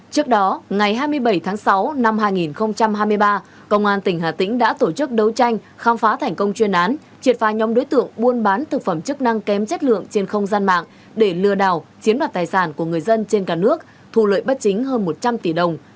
trước đó ngày hai mươi bảy tháng sáu năm hai nghìn hai mươi ba công an tỉnh hà tĩnh đã tổ chức đấu tranh khám phá thành công chuyên án triệt phá nhóm đối tượng buôn bán thực phẩm chức năng kém chất lượng trên không gian mạng để lừa đảo chiếm đoạt tài sản của người dân trên cả nước thu lợi bất chính hơn một trăm linh tỷ đồng